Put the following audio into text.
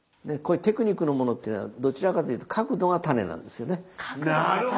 こういうテクニックのものっていうのはどちらかというと角度がタネなんですよね。